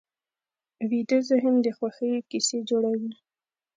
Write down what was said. ویده ذهن د خوښیو کیسې جوړوي